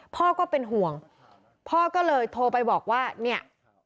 พ่อก็เป็นห่วงพ่อก็เลยโทรไปบอกว่าเนี่ย